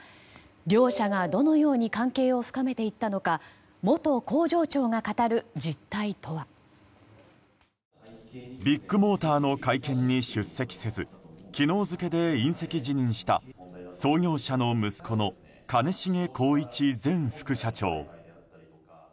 両者がどのように関係を深めていったのか元工場長が語る実態とは？ビッグモーターの会見に出席せず昨日付で引責辞任した創業者の息子の兼重宏一前副社長。